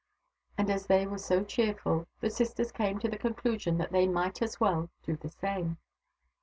And as they wer j so cheerful, the sisters came to the conclusion thac they might as well do the same.